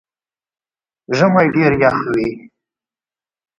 ژمئ ډېر يخ وي